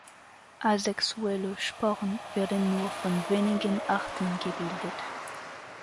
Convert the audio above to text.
Asexuelle Sporen werden nur von wenigen Arten gebildet.